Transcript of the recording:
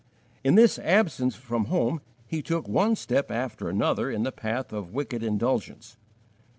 In this absence from home he took one step after another in the path of wicked indulgence.